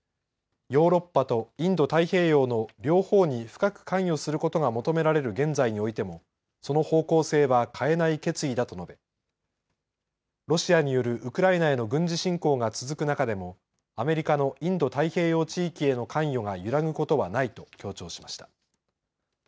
ヨーロッパとインド太平洋の両方に深く関与することが求められる現在においてもその方向性は変えない決意だと述べ、ロシアによるウクライナへの軍事侵攻が続く中でもアメリカのインド太平洋地域への関与が揺らぐことはないと強調しました。